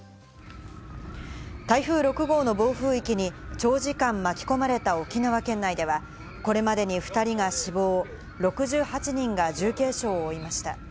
台風６号の暴風域に長時間巻き込まれた沖縄県内では、これまでに２人が死亡、６８人が重軽傷を負いました。